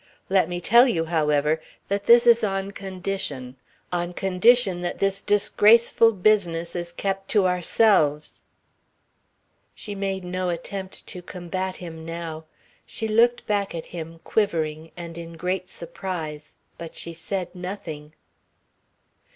Let me tell you, however, that this is on condition on condition that this disgraceful business is kept to ourselves." She made no attempt to combat him now. She looked back at him, quivering, and in a great surprise, but she said nothing.